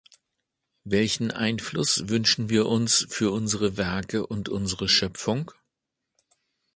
Welchen Einfluss wünschen wir uns für unsere Werke und unsere Schöpfung?